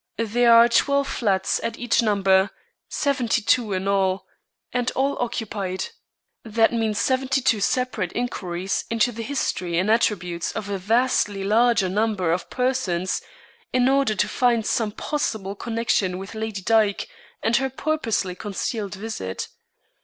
There are twelve flats at each number, seventy two in all, and all occupied. That means seventy two separate inquiries into the history and attributes of a vastly larger number of persons, in order to find some possible connection with Lady Dyke and her purposely concealed visit.